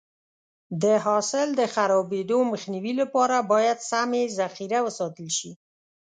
د حاصل د خرابېدو مخنیوي لپاره باید سمې ذخیره وساتل شي.